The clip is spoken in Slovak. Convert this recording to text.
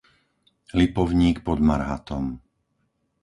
Lipovník pod Marhatom